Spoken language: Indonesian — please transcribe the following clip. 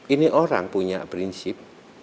ini orang punya prinsip